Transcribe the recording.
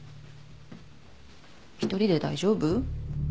一人で大丈夫？